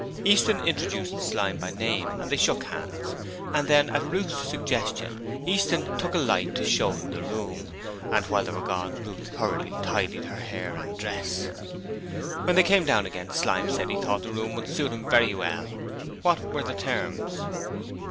Easton introduced Slyme by name and they shook hands; and then at Ruth's suggestion Easton took a light to show him the room, and while they were gone Ruth hurriedly tidied her hair and dress. When they came down again Slyme said he thought the room would suit him very well. What were the terms?